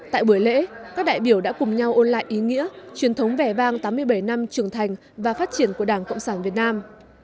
tại buổi lễ các đại biểu đã cùng nhau ôn lại ý nghĩa truyền thống vẻ vang tám mươi bảy năm trưởng thành và phát triển của đảng cộng sản việt nam